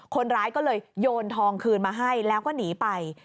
คนร้ายก็เลยโยนทองคืนมาให้แล้วก็หนีไป